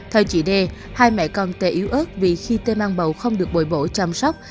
theo chị đê hai mẹ con tê yếu ớt vì khi tê mang bầu không được bồi bổ chăm sóc